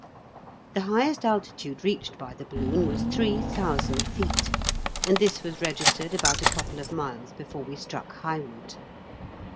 The highest altitude reached by the balloon was three thousand feet, and this was registered about a couple of miles before we struck Highwood.